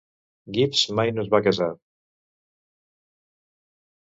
Gibbs mai no es va casar.